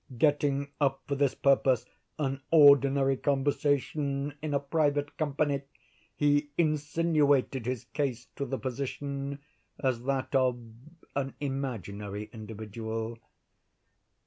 Getting up, for this purpose, an ordinary conversation in a private company, he insinuated his case to the physician, as that of an imaginary individual.